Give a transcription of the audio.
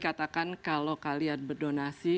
katakan kalau kalian berdonasi